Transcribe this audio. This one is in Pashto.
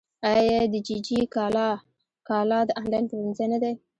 آیا دیجیجی کالا د انلاین پلورنځی نه دی؟